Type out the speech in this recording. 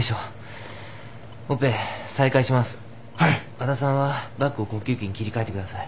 和田さんはバッグを呼吸器に切り替えてください。